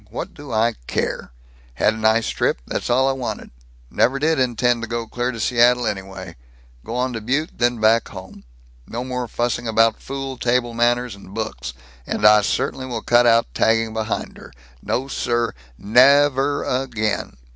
What do I care? Had nice trip; that's all I wanted. Never did intend to go clear to Seattle, anyway. Go on to Butte, then back home. No more fussing about fool table manners and books, and I certainly will cut out tagging behind her! No, sir! Nev er again!"